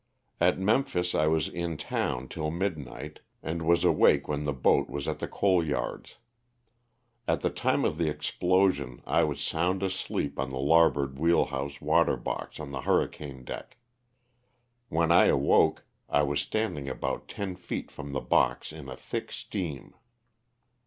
At Memphis I was in town till midnight, and was awake when the boat was at the coal yards. At the time of the explosion I was sound asleep on the larboard wheelhouse water box on the hurricane deck. When I awoke I was standing about ten feet from the box in a thick steam.